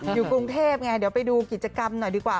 อยู่กรุงเทพไงเดี๋ยวไปดูกิจกรรมหน่อยดีกว่า